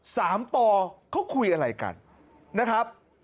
สามปเขาคุยอะไรกันนะครับ